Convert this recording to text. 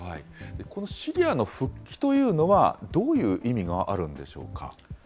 このシリアの復帰というのは、どういう意味があるんでしょうか。